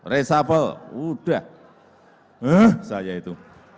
resafel udah saya itu